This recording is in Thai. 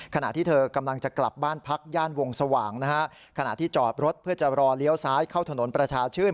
ขณะที่เธอกำลังจะกลับบ้านพักย่านวงสว่างนะฮะขณะที่จอดรถเพื่อจะรอเลี้ยวซ้ายเข้าถนนประชาชื่น